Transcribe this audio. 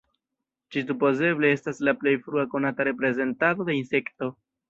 Ĝi supozeble estas la plej frua konata reprezentado de insekto.